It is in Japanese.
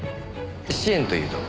支援というと？